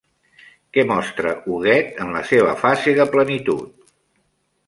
Què mostra Huguet en la seva fase de plenitud?